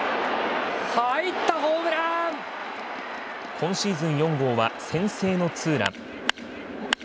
今シーズン４号は先制のツーラン。